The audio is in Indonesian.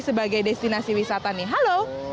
sebagai destinasi wisata nih halo